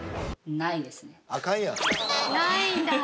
ないんだ。